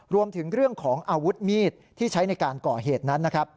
รวมถึงเรื่องของอาวุธมีดที่ใช้ในการก่อเหตุนั้นนะครับ